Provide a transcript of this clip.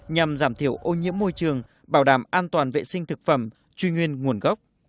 nhằm giảm thiểu ô nhiễm môi trường bảo đảm an toàn vệ sinh thực phẩm truy nguyên nguồn gốc